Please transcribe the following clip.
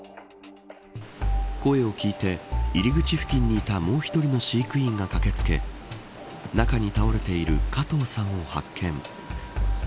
声を聞いて、入り口付近にいたもう１人の飼育員が駆け付け中に倒れている加藤さんを発見。